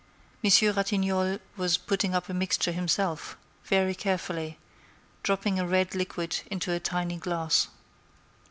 Monsieur Ratignolle was putting up a mixture himself, very carefully, dropping a red liquid into a tiny glass.